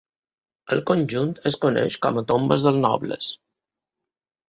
El conjunt es coneix com a Tombes dels nobles.